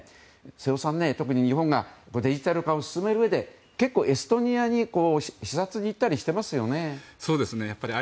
瀬尾さん、特に日本がデジタル化を進めるうえで結構、エストニアに視察に行ったりしてますよね。